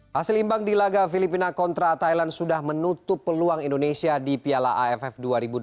hasil imbang di laga filipina kontra thailand sudah menutup peluang indonesia di piala aff dua ribu delapan belas